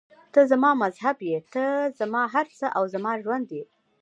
ته زما مذهب یې، ته زما هر څه او زما ژوند یې.